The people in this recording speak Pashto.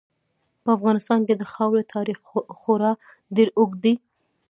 په افغانستان کې د خاورې تاریخ خورا ډېر اوږد دی.